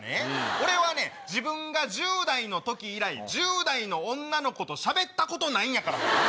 俺は自分が１０代の時以来１０代の女の子としゃべったことないんやから。